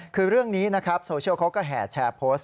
คือเรื่องนี้นะครับโซเชียลเขาก็แห่แชร์โพสต์